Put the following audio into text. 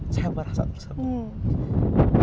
saya merasa tersebut